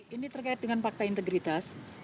ini terkait dengan fakta integritas